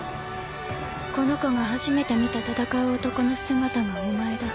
この子が初めて見た戦う男の姿がお前だ。